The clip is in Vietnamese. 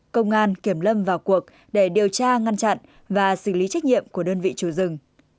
công an kiểm lâm vào cuộc để điều tra ngăn chặn và xử lý trách nhiệm của đơn vị chủ rừng